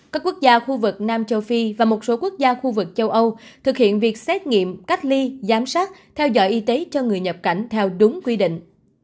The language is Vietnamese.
các quốc gia khu vực nam châu phi và một số quốc gia khu vực châu âu thực hiện việc xét nghiệm cách ly giám sát theo dõi y tế cho người nhập cảnh theo đúng quy định